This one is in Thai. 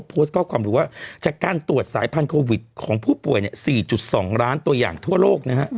โพสต์ข้อความรู้ว่าจากการตรวจสายพันธุวิตของผู้ป่วย๔๒ล้านตัวอย่างทั่วโลกนะฮะ